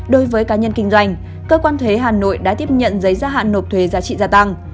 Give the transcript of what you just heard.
đối với cá nhân kinh doanh cơ quan thuế hà nội đã tiếp nhận giấy gia hạn nộp thuế giá trị gia tăng